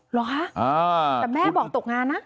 เหรอคะแต่แม่บอกตกงานนะ